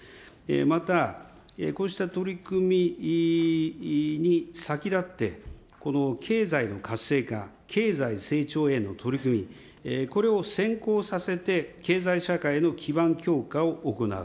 またこうした取り組みに先立って、経済の活性化、経済成長への取り組み、これを先行させて経済社会の基盤強化を行う。